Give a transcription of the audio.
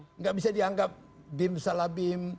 tidak bisa dianggap bim salah bim